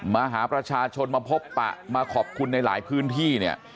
มาหาประชาชนมาพบปะมาขอบคุณในหลายพื้นที่เนี่ย